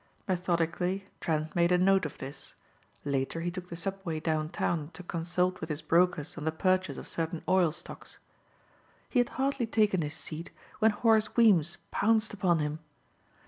Methodically Trent made a note of this. Later he took the subway downtown to consult with his brokers on the purchase of certain oil stocks. He had hardly taken his seat when Horace Weems pounced upon him.